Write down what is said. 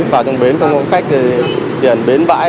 vào trong bến không có khách thì bến bãi